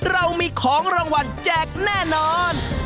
เรามีของรางวัลแจกแน่นอน